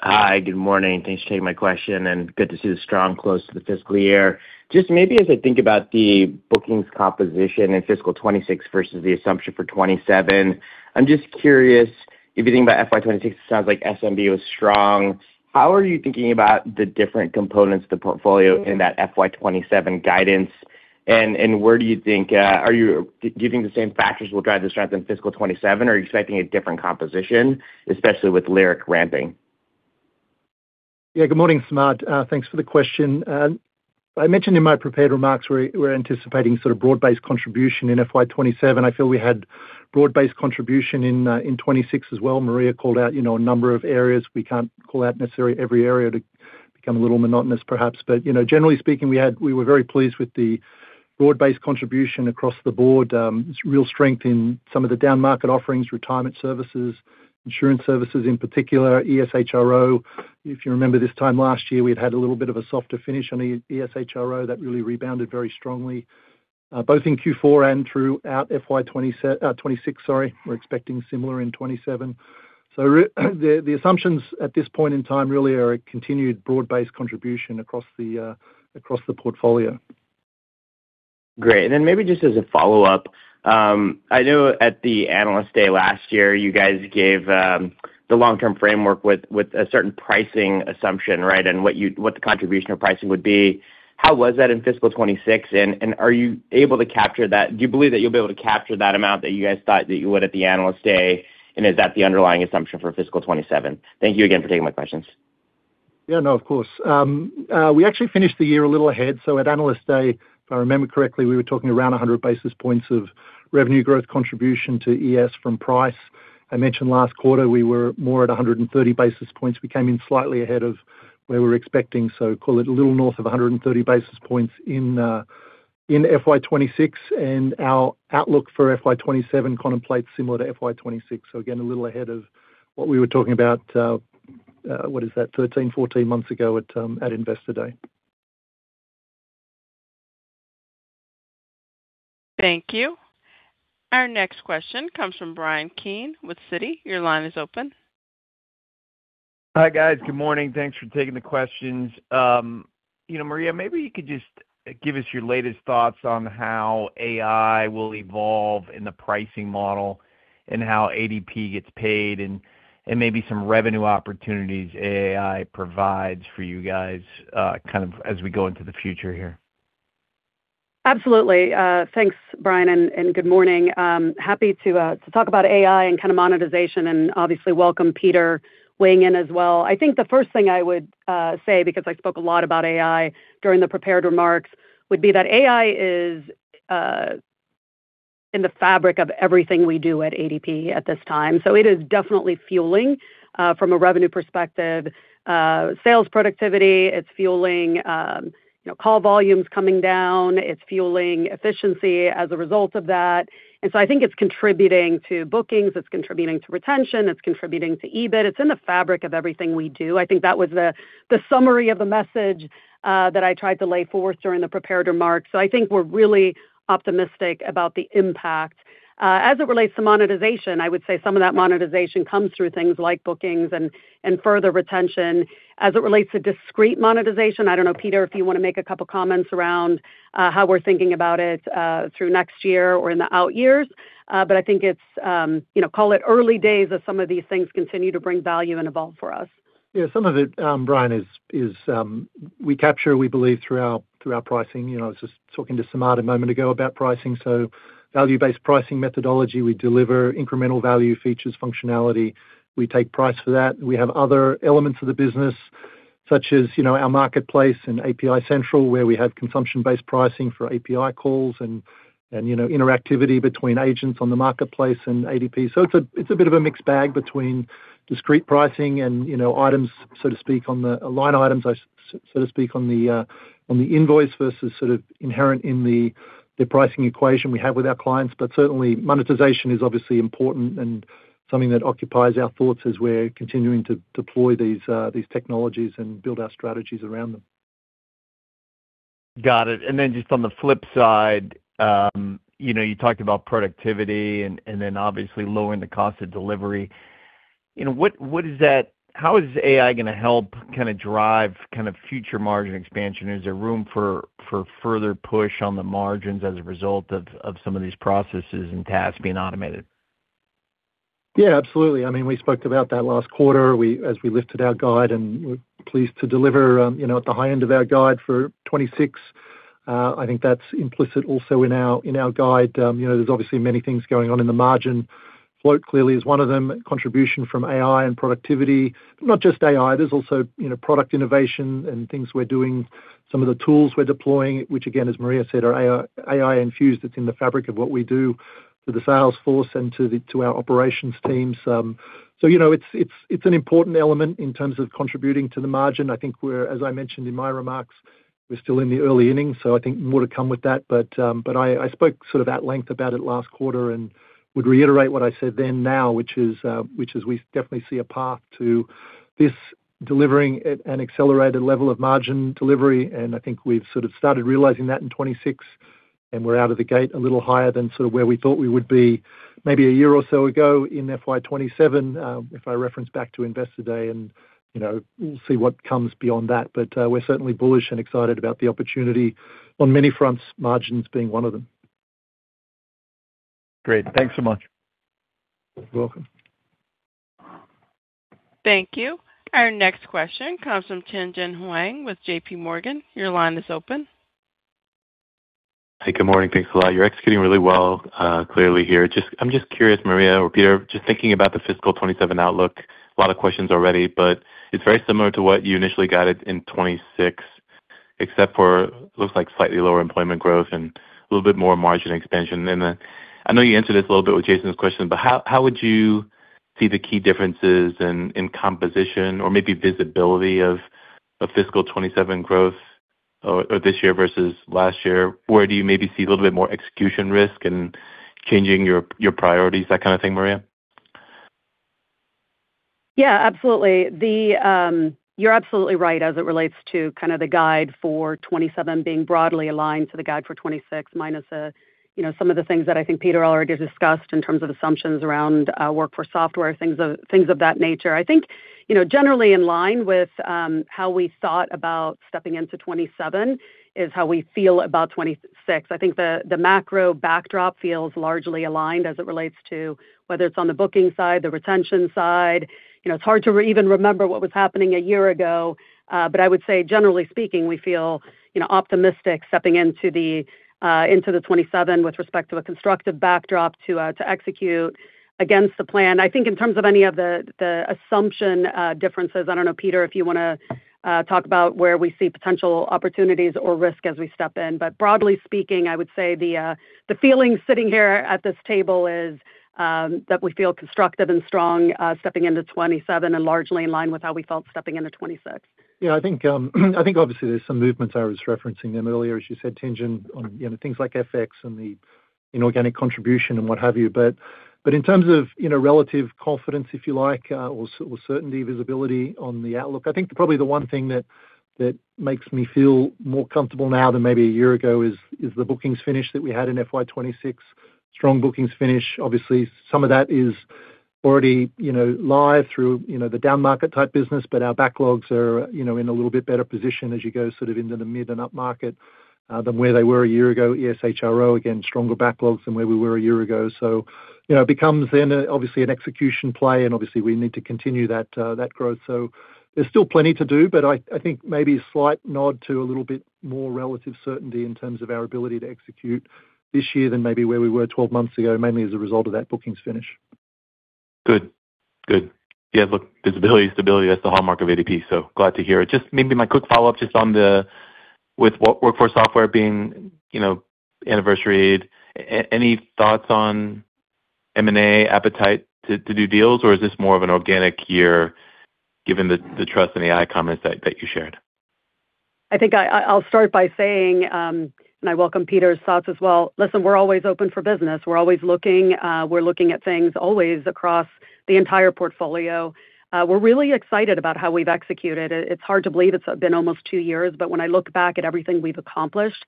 Hi. Good morning. Thanks for taking my question, and good to see the strong close to the fiscal year. Just maybe as I think about the bookings composition in fiscal 2026 versus the assumption for 2027, I'm just curious if you think about FY 2026, it sounds like SMB was strong. How are you thinking about the different components of the portfolio in that FY 2027 guidance, and where do you think Do you think the same factors will drive the strength in fiscal 2027, or are you expecting a different composition, especially with Lyric ramping? Yeah. Good morning, Samad. Thanks for the question. I mentioned in my prepared remarks, we're anticipating sort of broad-based contribution in FY 2027. I feel we had broad-based contribution in 2026 as well. Maria called out a number of areas. We can't call out necessarily every area to become a little monotonous perhaps. Generally speaking, we were very pleased with the broad-based contribution across the board. Real strength in some of the downmarket offerings, retirement services, Insurance Services in particular, ES HRO. If you remember this time last year, we had had a little bit of a softer finish on ES HRO. That really rebounded very strongly, both in Q4 and throughout FY 2026. We're expecting similar in 2027. The assumptions at this point in time really are a continued broad-based contribution across the portfolio. Great. Maybe just as a follow-up, I know at the Analyst Day last year, you guys gave the long-term framework with a certain pricing assumption, right? What the contribution of pricing would be. How was that in fiscal 2026, and are you able to capture that? Do you believe that you'll be able to capture that amount that you guys thought that you would at the Analyst Day, and is that the underlying assumption for fiscal 2027? Thank you again for taking my questions. Yeah. No, of course. We actually finished the year a little ahead. At Analyst Day, if I remember correctly, we were talking around 100 basis points of revenue growth contribution to ES from price. I mentioned last quarter, we were more at 130 basis points. We came in slightly ahead of where we were expecting. Call it a little north of 130 basis points in FY 2026, and our outlook for FY 2027 contemplates similar to FY 2026. Again, a little ahead of what we were talking about, what is that? 13, 14 months ago at Investor Day. Thank you. Our next question comes from Bryan Keane with Citi. Your line is open. Hi, guys. Good morning. Thanks for taking the questions. Maria, maybe you could just give us your latest thoughts on how AI will evolve in the pricing model and how ADP gets paid, and maybe some revenue opportunities AI provides for you guys, kind of as we go into the future here. Absolutely. Thanks, Bryan, and good morning. Happy to talk about AI and kind of monetization and obviously welcome Peter weighing in as well. I think the first thing I would say, because I spoke a lot about AI during the prepared remarks, would be that AI is in the fabric of everything we do at ADP at this time. It is definitely fueling, from a revenue perspective, sales productivity. It's fueling call volumes coming down. It's fueling efficiency as a result of that. I think it's contributing to bookings, it's contributing to retention, it's contributing to EBIT. It's in the fabric of everything we do. I think that was the summary of the message that I tried to lay forth during the prepared remarks. I think we're really optimistic about the impact. As it relates to monetization, I would say some of that monetization comes through things like bookings and further retention. As it relates to discrete monetization, I don't know, Peter, if you want to make a couple comments around how we're thinking about it through next year or in the out years. I think it's, call it early days as some of these things continue to bring value and evolve for us. Yeah. Some of it, Bryan, is we capture, we believe, through our pricing. I was just talking to Samad a moment ago about pricing, value-based pricing methodology. We deliver incremental value features, functionality. We take price for that. We have other elements of the business, such as our ADP Marketplace and ADP API Central, where we have consumption-based pricing for API calls and interactivity between agents on the ADP Marketplace and ADP. It is a bit of a mixed bag between discrete pricing and line items, so to speak, on the invoice versus inherent in the pricing equation we have with our clients. Certainly, monetization is obviously important and something that occupies our thoughts as we are continuing to deploy these technologies and build our strategies around them. Got it. Just on the flip side, you talked about productivity and obviously lowering the cost of delivery. How is AI going to help drive future margin expansion? Is there room for further push on the margins as a result of some of these processes and tasks being automated? Yeah, absolutely. We spoke about that last quarter as we lifted our guide, and we are pleased to deliver at the high end of our guide for 2026. I think that is implicit also in our guide. There is obviously many things going on in the margin. Float clearly is one of them, contribution from AI and productivity. Not just AI, there is also product innovation and things we are doing, some of the tools we are deploying, which again, as Maria said, are AI-infused. It is in the fabric of what we do to the sales force and to our operations teams. It is an important element in terms of contributing to the margin. I think we are, as I mentioned in my remarks, we are still in the early innings, so I think more to come with that. I spoke at length about it last quarter and would reiterate what I said then now, which is we definitely see a path to this delivering at an accelerated level of margin delivery, and I think we have started realizing that in 2026, and we are out of the gate a little higher than where we thought we would be maybe a year or so ago in FY 2027, if I reference back to Investor Day. We will see what comes beyond that. We are certainly bullish and excited about the opportunity on many fronts, margins being one of them. Great. Thanks so much. You're welcome. Thank you. Our next question comes from Tien-tsin Huang with J.P. Morgan. Your line is open. Hi, good morning. Thanks a lot. You're executing really well clearly here. I'm just curious, Maria or Peter, just thinking about the fiscal 2027 outlook. A lot of questions already, but it's very similar to what you initially guided in fiscal 2026, except for looks like slightly lower employment growth and a little bit more margin expansion. I know you answered this a little bit with Jason's question, but how would you see the key differences in composition or maybe visibility of fiscal 2027 growth or this year versus last year? Where do you maybe see a little bit more execution risk in changing your priorities, that kind of thing, Maria? Yeah, absolutely. You're absolutely right as it relates to the guide for 2027 being broadly aligned to the guide for 2026, minus some of the things that I think Peter already discussed in terms of assumptions around workforce software, things of that nature. I think, generally in line with how we thought about stepping into 2027 is how we feel about 2026. I think the macro backdrop feels largely aligned as it relates to whether it's on the booking side, the retention side. It's hard to even remember what was happening a year ago. I would say generally speaking, we feel optimistic stepping into the 2027 with respect to a constructive backdrop to execute against the plan. I think in terms of any of the assumption differences, I don't know, Peter, if you want to talk about where we see potential opportunities or risk as we step in. Broadly speaking, I would say the feeling sitting here at this table is that we feel constructive and strong stepping into 2027 and largely in line with how we felt stepping into 2026. Yeah, I think obviously there's some movements. I was referencing them earlier, as you said, Tien-tsin, on things like FX and the inorganic contribution and what have you. In terms of relative confidence, if you like, or certainty visibility on the outlook, I think probably the one thing that makes me feel more comfortable now than maybe a year ago is the bookings finish that we had in FY 2026. Strong bookings finish. Obviously, some of that is already live through the downmarket type business, but our backlogs are in a little bit better position as you go into the mid and upmarket, than where they were a year ago. ES HRO, again, stronger backlogs than where we were a year ago. It becomes then obviously an execution play, and obviously we need to continue that growth. There's still plenty to do, but I think maybe a slight nod to a little bit more relative certainty in terms of our ability to execute this year than maybe where we were 12 months ago, mainly as a result of that bookings finish. Good. Yeah, look, visibility, stability, that's the hallmark of ADP. Glad to hear it. Maybe my quick follow-up, with Workforce Software being anniversaried, any thoughts on M&A appetite to do deals, or is this more of an organic year given the trust and AI comments that you shared? I'll start by saying. I welcome Peter's thoughts as well. Listen, we're always open for business. We're always looking. We're looking at things always across the entire portfolio. We're really excited about how we've executed. It's hard to believe it's been almost two years, but when I look back at everything we've accomplished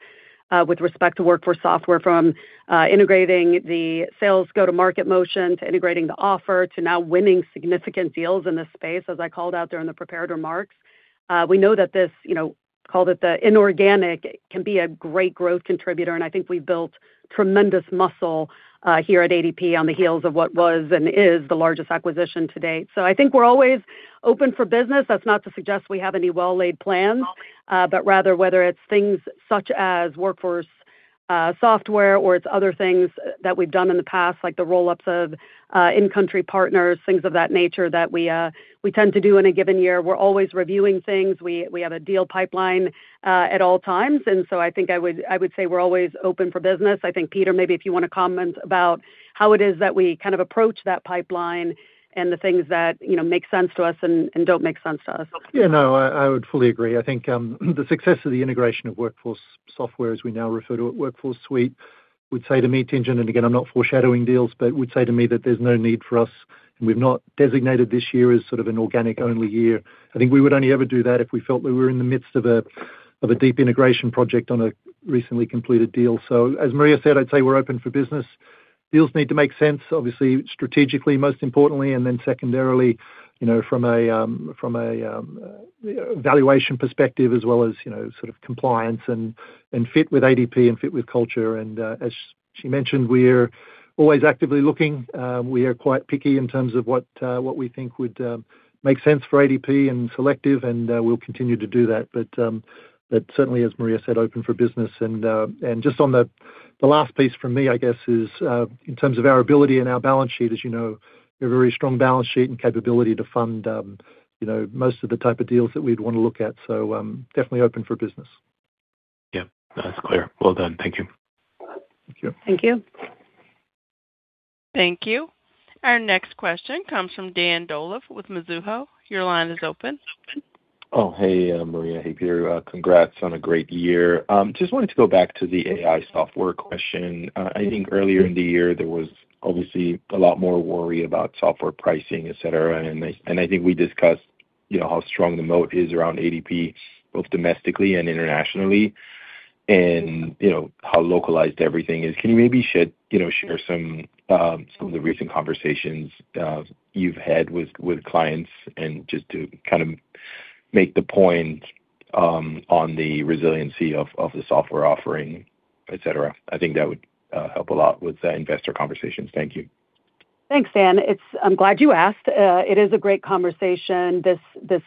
with respect to Workforce Software, from integrating the sales go-to-market motion, to integrating the offer, to now winning significant deals in this space, as I called out during the prepared remarks. We know that this, call it the inorganic, can be a great growth contributor, and we've built tremendous muscle here at ADP on the heels of what was and is the largest acquisition to date. We're always open for business. That's not to suggest we have any well-laid plans, rather whether it's things such as Workforce Software or it's other things that we've done in the past, like the roll-ups of in-country partners, things of that nature that we tend to do in a given year. We're always reviewing things. We have a deal pipeline at all times. I would say we're always open for business. Peter, maybe if you want to comment about how it is that we approach that pipeline and the things that make sense to us and don't make sense to us. Yeah, no, I would fully agree. The success of the integration of Workforce Software, as we now refer to it, Workforce Suite, would say to me, Tien-tsin Huang, again, I'm not foreshadowing deals, would say to me that there's no need for us, we've not designated this year as sort of an organic-only year. We would only ever do that if we felt that we were in the midst of a deep integration project on a recently completed deal. As Maria said, I'd say we're open for business. Deals need to make sense, obviously, strategically, most importantly, and then secondarily, from a valuation perspective as well as sort of compliance, and fit with ADP and fit with culture. As she mentioned, we're always actively looking. We are quite picky in terms of what we think would make sense for ADP and selective, and we'll continue to do that. Certainly, as Maria said, open for business. Just on the last piece from me, I guess, is in terms of our ability and our balance sheet, as you know, we have a very strong balance sheet and capability to fund most of the type of deals that we'd want to look at. Definitely open for business. Yeah, that's clear. Well done. Thank you. Thank you. Thank you. Thank you. Our next question comes from Dan Dolev with Mizuho. Your line is open. Oh, hey, Maria. Hey, Peter. Congrats on a great year. Just wanted to go back to the AI software question. I think earlier in the year, there was obviously a lot more worry about software pricing, et cetera. I think we discussed how strong the moat is around ADP, both domestically and internationally, and how localized everything is. Can you maybe share some of the recent conversations you've had with clients and just to make the point on the resiliency of the software offering, et cetera? I think that would help a lot with the investor conversations. Thank you. Thanks, Dan. I'm glad you asked. It is a great conversation, this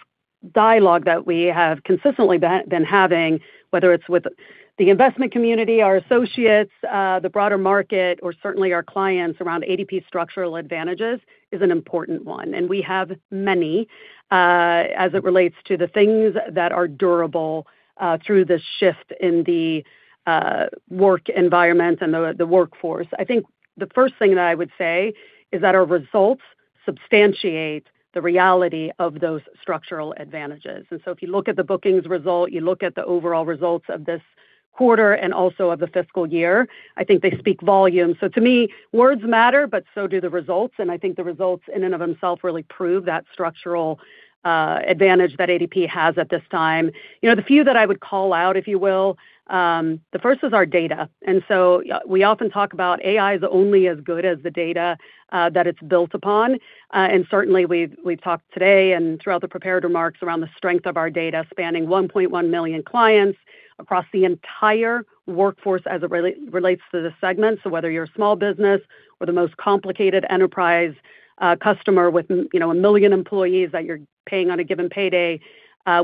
dialogue that we have consistently been having, whether it's with the investment community, our associates, the broader market, or certainly our clients around ADP structural advantages, is an important one. We have many, as it relates to the things that are durable through this shift in the work environment and the workforce. I think the first thing that I would say is that our results substantiate the reality of those structural advantages. If you look at the bookings result, you look at the overall results of this quarter and also of the fiscal year, I think they speak volumes. To me, words matter, but so do the results, and I think the results in and of themselves really prove that structural advantage that ADP has at this time. The few that I would call out, if you will, the first is our data. We often talk about AI is only as good as the data that it's built upon. Certainly, we've talked today and throughout the prepared remarks around the strength of our data, spanning 1.1 million clients across the entire workforce as it relates to the segment. Whether you're a small business or the most complicated enterprise customer with 1 million employees that you're paying on a given payday,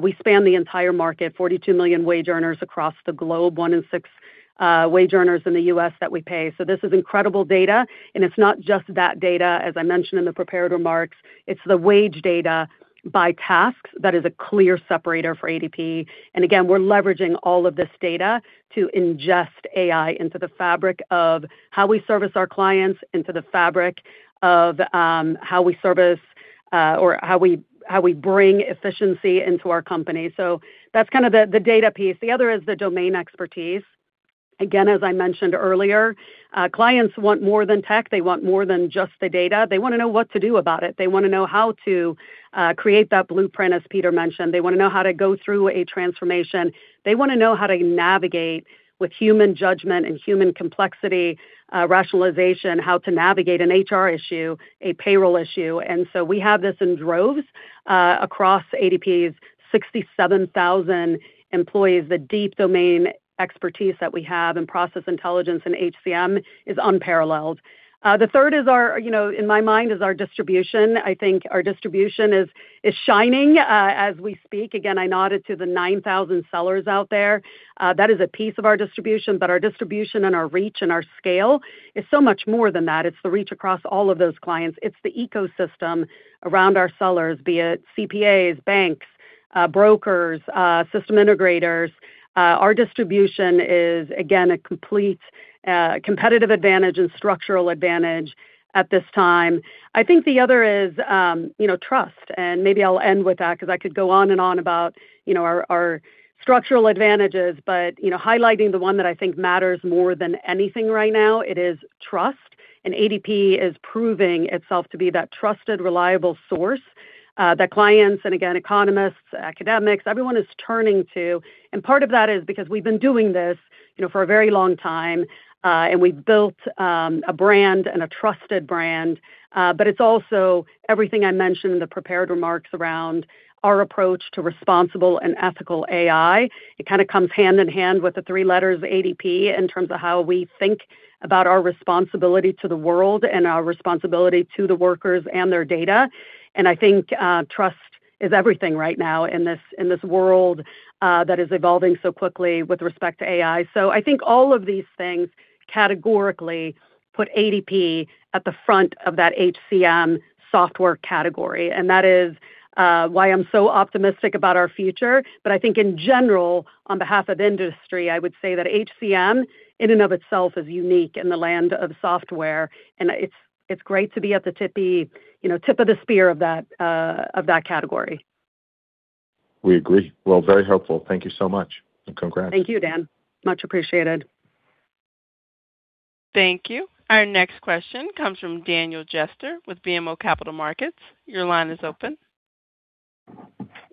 we span the entire market, 42 million wage earners across the globe, one in six wage earners in the U.S. that we pay. This is incredible data, and it's not just that data, as I mentioned in the prepared remarks, it's the wage data by tasks that is a clear separator for ADP. We're leveraging all of this data to ingest AI into the fabric of how we service our clients, into the fabric of how we service, or how we bring efficiency into our company. That's the data piece. The other is the domain expertise. As I mentioned earlier, clients want more than tech. They want more than just the data. They want to know what to do about it. They want to know how to create that blueprint, as Peter mentioned. They want to know how to go through a transformation. They want to know how to navigate with human judgment and human complexity, rationalization, how to navigate an HR issue, a payroll issue. We have this in droves across ADP's 67,000 employees. The deep domain expertise that we have in process intelligence and HCM is unparalleled. The third is our, in my mind, is our distribution. I think our distribution is shining as we speak. I nodded to the 9,000 sellers out there. That is a piece of our distribution, but our distribution and our reach and our scale is so much more than that. It's the reach across all of those clients. It's the ecosystem around our sellers, be it CPAs, banks, brokers, system integrators. Our distribution is, again, a complete competitive advantage and structural advantage at this time. I think the other is trust, and maybe I'll end with that because I could go on and on about our structural advantages. Highlighting the one that I think matters more than anything right now, it is trust, ADP is proving itself to be that trusted, reliable source that clients, again, economists, academics, everyone is turning to, part of that is because we've been doing this for a very long time, and we've built a brand and a trusted brand. It's also everything I mentioned in the prepared remarks around our approach to responsible and ethical AI. It comes hand-in-hand with the three letters ADP in terms of how we think about our responsibility to the world and our responsibility to the workers and their data. I think trust is everything right now in this world that is evolving so quickly with respect to AI. I think all of these things categorically put ADP at the front of that HCM software category, that is why I'm so optimistic about our future. I think in general, on behalf of the industry, I would say that HCM in and of itself is unique in the land of software, it's great to be at the tip of the spear of that category. We agree. Well, very helpful. Thank you so much, and congrats. Thank you, Dan. Much appreciated. Thank you. Our next question comes from Daniel Jester with BMO Capital Markets. Your line is open.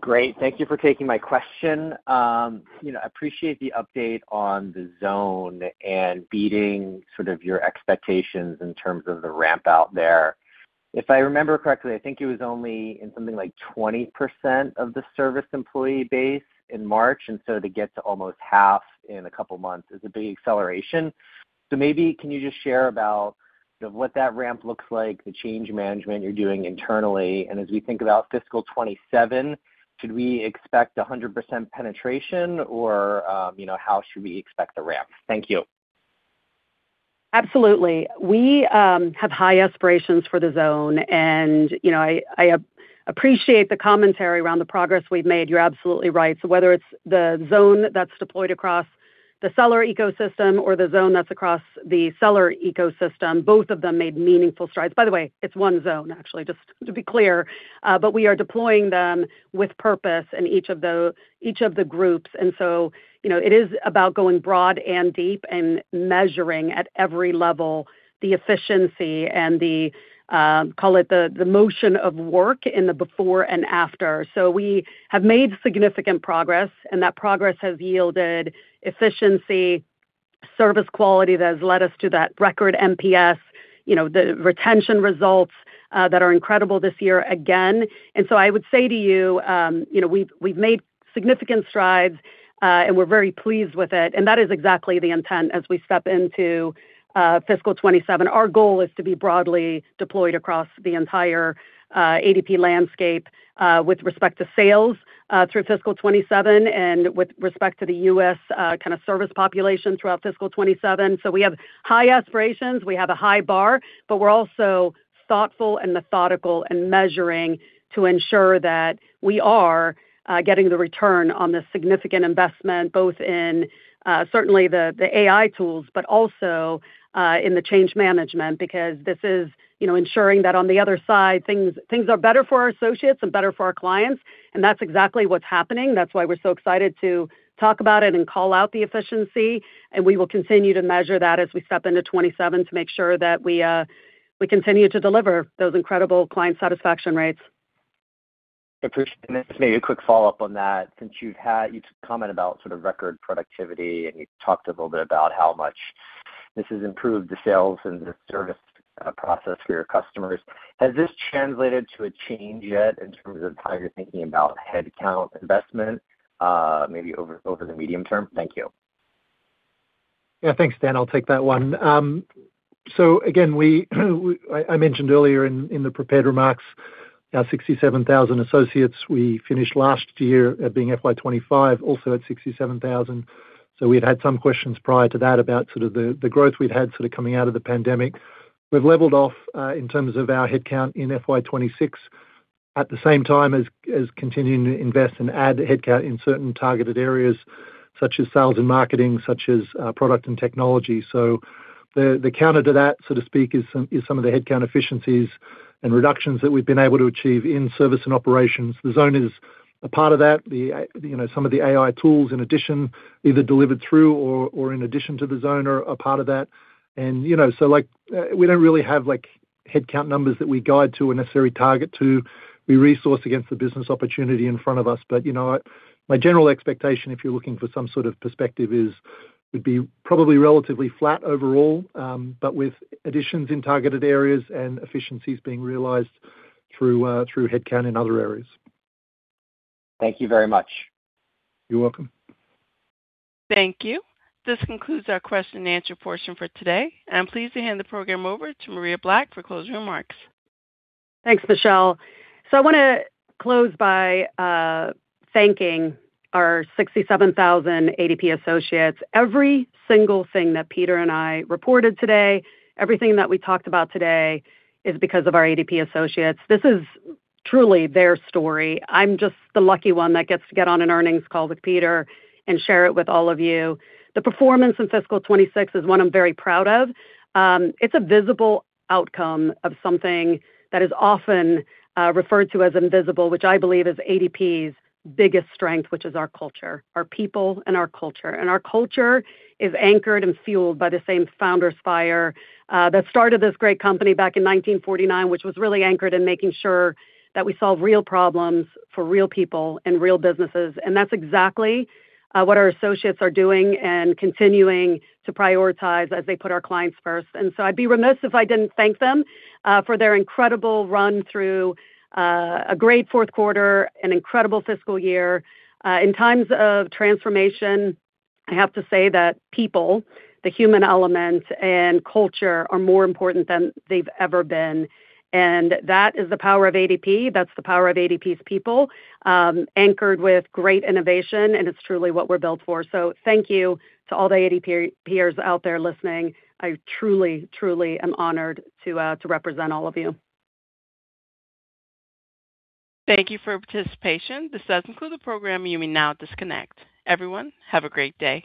Great. Thank you for taking my question. I appreciate the update on The Zone and beating your expectations in terms of the ramp-out there. If I remember correctly, I think it was only in something like 20% of the service employee base in March, and so to get to almost half in a couple of months is a big acceleration. Maybe can you just share about what that ramp looks like, the change management you're doing internally? As we think about fiscal 2027, should we expect 100% penetration, or how should we expect the ramp? Thank you. Absolutely. We have high aspirations for the Zone. I appreciate the commentary around the progress we've made. You're absolutely right. Whether it's the Zone that's deployed across the seller ecosystem or the Zone that's across the seller ecosystem, both of them made meaningful strides. By the way, it's one Zone, actually, just to be clear. We are deploying them with purpose in each of the groups. It is about going broad and deep and measuring at every level the efficiency and the, call it the motion of work in the before and after. We have made significant progress, and that progress has yielded efficiency, service quality that has led us to that record NPS, the retention results that are incredible this year again. I would say to you, we've made significant strides, and we're very pleased with it, and that is exactly the intent as we step into fiscal 2027. Our goal is to be broadly deployed across the entire ADP landscape, with respect to sales through fiscal 2027 and with respect to the U.S. service population throughout fiscal 2027. We have high aspirations, we have a high bar, but we're also thoughtful and methodical and measuring to ensure that we are getting the return on this significant investment, both in certainly the AI tools, but also in the change management, because this is ensuring that on the other side, things are better for our associates and better for our clients, and that's exactly what's happening. That's why we're so excited to talk about it and call out the efficiency, and we will continue to measure that as we step into 2027 to make sure that we continue to deliver those incredible client satisfaction rates. Appreciate it. Just maybe a quick follow-up on that, since you commented about record productivity and you talked a little bit about how much this has improved the sales and the service process for your customers. Has this translated to a change yet in terms of how you're thinking about headcount investment, maybe over the medium term? Thank you. Thanks, Dan. I'll take that one. Again, I mentioned earlier in the prepared remarks our 67,000 associates. We finished last year, being FY 2025, also at 67,000. We'd had some questions prior to that about the growth we'd had coming out of the pandemic. We've leveled off in terms of our headcount in FY 2026 at the same time as continuing to invest and add headcount in certain targeted areas, such as sales and marketing, such as product and technology. The counter to that, so to speak, is some of the headcount efficiencies and reductions that we've been able to achieve in service and operations. The Zone is a part of that. Some of the AI tools in addition, either delivered through or in addition to The Zone, are a part of that. We don't really have headcount numbers that we guide to a necessary target to resource against the business opportunity in front of us. My general expectation, if you're looking for some sort of perspective, is we'd be probably relatively flat overall, but with additions in targeted areas and efficiencies being realized through headcount in other areas. Thank you very much. You're welcome. Thank you. This concludes our question and answer portion for today. I am pleased to hand the program over to Maria Black for closing remarks. Thanks, Michelle. I want to close by thanking our 67,000 ADP associates. Every single thing that Peter and I reported today, everything that we talked about today, is because of our ADP associates. This is truly their story. I am just the lucky one that gets to get on an earnings call with Peter and share it with all of you. The performance in fiscal 2026 is one I am very proud of. It is a visible outcome of something that is often referred to as invisible, which I believe is ADP's biggest strength, which is our culture, our people, and our culture. Our culture is anchored and fueled by the same founder's fire that started this great company back in 1949, which was really anchored in making sure that we solve real problems for real people and real businesses. That is exactly what our associates are doing and continuing to prioritize as they put our clients first. I would be remiss if I didn't thank them for their incredible run through a great fourth quarter, an incredible fiscal year. In times of transformation, I have to say that people, the human element, and culture are more important than they've ever been, and that is the power of ADP. That is the power of ADP's people, anchored with great innovation, and it is truly what we are built for. Thank you to all the ADPers out there listening. I truly am honored to represent all of you. Thank you for your participation. This does conclude the program. You may now disconnect. Everyone, have a great day.